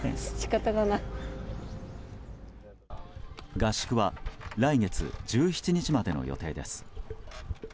合宿は来月１７日までの予定です。